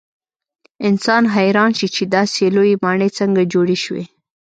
انسان حیران شي چې داسې لویې ماڼۍ څنګه جوړې شوې.